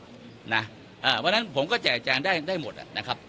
เพราะฉะนั้นผมก็แจกแจงได้หมดนะครับ